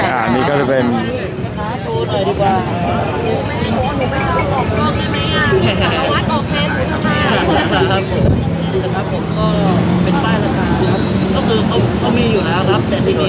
อ่านี่คือทางเที่ยวครับ